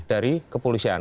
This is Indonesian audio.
tim ini kepolisian